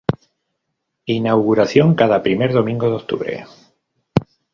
Inauguración cada primer domingo de octubre.